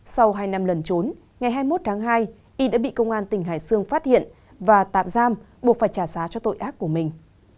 sau hai năm lần trốn ngày hai mươi một tháng hai y đã bị công an tỉnh hải dương phát hiện và tạm giam buộc phải trả giá cho tội ác của mình